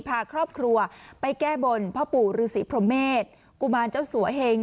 พาครอบครัวไปแก้บนพ่อปู่ฤษีพรหมเมษกุมารเจ้าสัวเฮง